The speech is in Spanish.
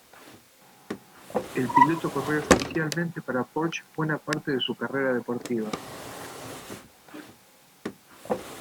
El piloto corrió oficialmente para Porsche buena parte de su carrera deportiva.